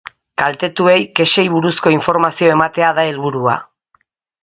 Kaltetuei kexei buruzko informazio ematea da helburua.